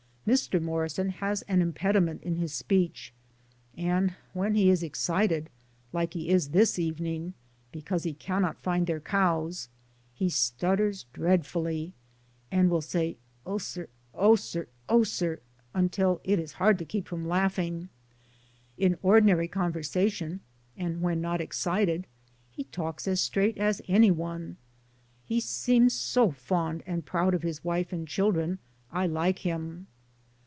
Mr. Morrison has an impediment in his speech, and when he is excited — like he is this evening, because they cannot find their cows — he stutters dreadfully, and will say, "Or sir, or sir, or sir," until it is hard to keep from laughing. In ordinary conversa tion and when not excited, he talks as straight as any one. He seems so fond and proud of his wife and children I like him.